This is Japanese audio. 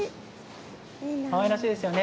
かわいらしいですね。